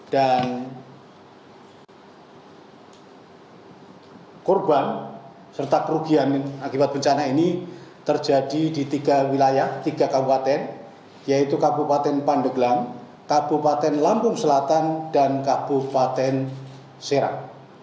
dan korban serta kerugian akibat bencana ini terjadi di tiga wilayah tiga kabupaten yaitu kabupaten pandeglang kabupaten lampung selatan dan kabupaten serang